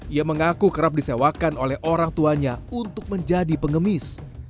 ia mengaku kerap disewakan oleh orang tuanya untuk menjadi pengemis